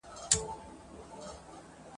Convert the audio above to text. په قدم قدم روان پر لور د دام سو ..